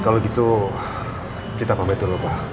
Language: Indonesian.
kalau gitu kita pakai dulu pak